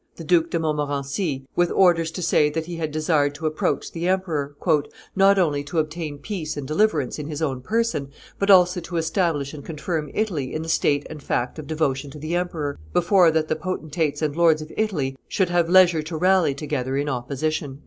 the Duke de Montmorency, with orders to say that he had desired to approach the emperor, "not only to obtain peace and deliverance in his own person, but also to establish and confirm Italy in the state and fact of devotion to the emperor, before that the potentates and lords of Italy should have leisure to rally together in opposition."